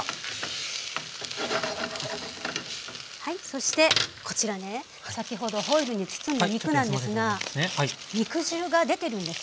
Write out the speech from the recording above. そしてこちらね先ほどホイルに包んだ肉なんですが肉汁が出てるんです。